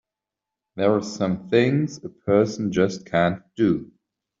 There are some things a person just can't do!